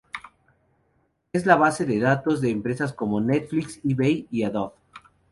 Es la base de datos de empresas como Netflix, eBay y Adobe.